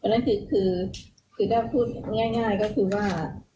เพราะฉะนั้นคือถ้าพูดง่ายก็คือว่า